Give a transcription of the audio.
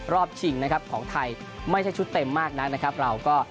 ชิงนะครับของไทยไม่ใช่ชุดเต็มมากนักนะครับเราก็